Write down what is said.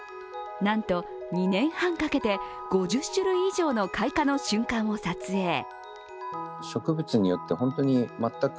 なんと、２年半かけて５０種類以上の開花の瞬間を撮影。